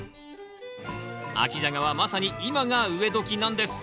秋ジャガはまさに今が植え時なんです。